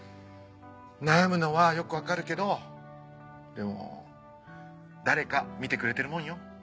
悩むのはよく分かるけどでも誰か見てくれてるもんよ。